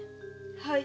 はい。